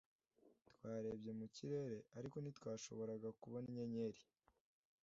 Twarebye mu kirere, ariko ntitwashoboraga kubona inyenyeri.